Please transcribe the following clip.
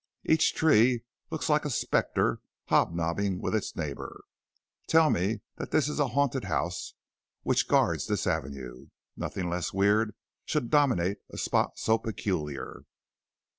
Each tree looks like a spectre hob nobbing with its neighbor. Tell me that this is a haunted house which guards this avenue. Nothing less weird should dominate a spot so peculiar."